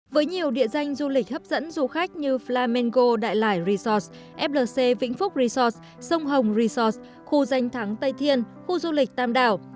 với nhiều địa danh du lịch hấp dẫn du khách như flamengo đại lải resorts flc vĩnh phúc resorts sông hồng resorts khu danh thắng tây thiên khu du lịch tam đảo